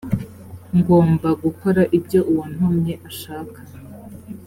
ngomba gukora ibyo uwantumye ashaka